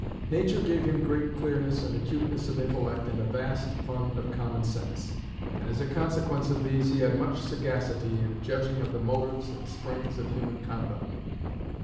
Nature gave him great clearness and acuteness of intellect and a vast fund of common sense; and as a consequence of these he had much sagacity in judging of the motives and springs of human conduct.